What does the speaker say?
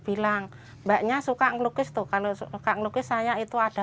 bilangalnya suka nglukis tuh kalau suka nglukis saya itu ada